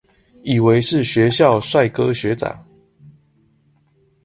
以為是學校帥哥學長